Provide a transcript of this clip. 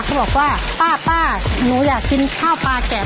บอกว่าป้าหนูอยากกินข้าวปลาแกะ